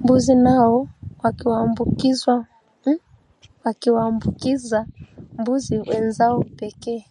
mbuzi nao wakiwaambukiza mbuzi wenzao pekee